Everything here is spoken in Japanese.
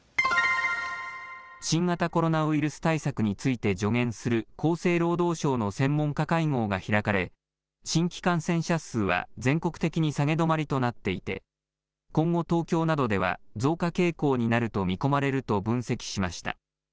新型コロナウイルス対策について助言する厚生労働省の専門家会合が開かれ新規感染者数は全国的に下げ止まりとなっていて今後、東京などでは増加傾向になると見込まれると分析しました。